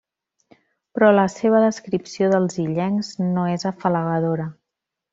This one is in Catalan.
Però la seva descripció dels illencs no és afalagadora.